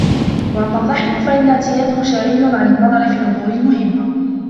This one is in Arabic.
وَأَمَّا الضَّحِكُ فَإِنَّ اعْتِيَادَهُ شَاغِلٌ عَنْ النَّظَرِ فِي الْأُمُورِ الْمُهِمَّةِ